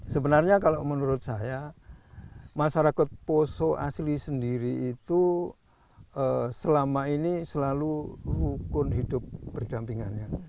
sebenarnya kalau menurut saya masyarakat poso asli sendiri itu selama ini selalu rukun hidup berdampingannya